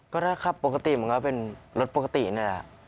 ก็ได้ครับปกติมันก็เป็นรถปกตินี่แหละ